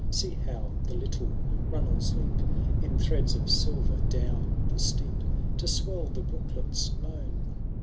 See how the little runnels leap. In threads of silver, down the steep. To swell the brooklet*s moan